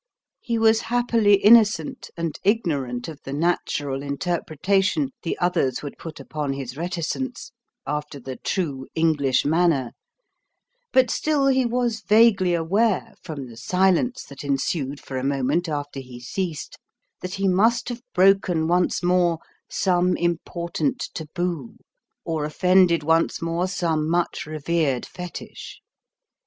He was happily innocent and ignorant of the natural interpretation the others would put upon his reticence, after the true English manner; but still he was vaguely aware, from the silence that ensued for a moment after he ceased, that he must have broken once more some important taboo, or offended once more some much revered fetich.